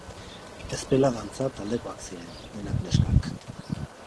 Ezpela dantza taldekoak ziren, denak neskak.